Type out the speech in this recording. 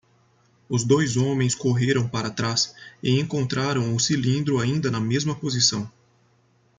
Os dois homens correram para trás e encontraram o cilindro ainda na mesma posição.